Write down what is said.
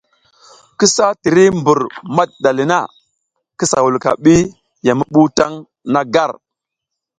Kisa tiri mbur madiɗa le na, kisa wulka ɓi ya mi ɓuw taƞ na gar.